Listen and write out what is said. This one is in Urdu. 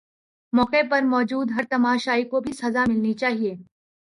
موقع پر موجود ہر تماشائی کو بھی سزا ملنی چاہیے